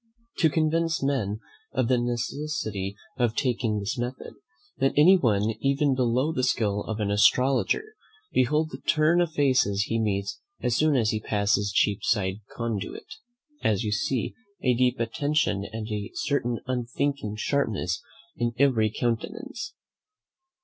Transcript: To convince men of the necessity of taking this method, let any one even below the skill of an astrologer, behold the turn of faces he meets as soon as he passes Cheapside Conduit, and you see a deep attention and a certain unthinking sharpness in every countenance.